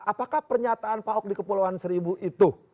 apakah pernyataan pak ok di kepulauan seribu itu